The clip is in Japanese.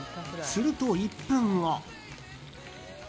すると１分後。